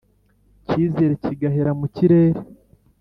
Icyizere kigahera mu kirere